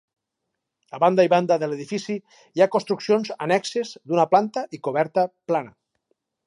A banda i banda de l'edifici hi ha construccions annexes, d'una planta i coberta plana.